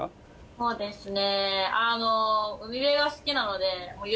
そうですね。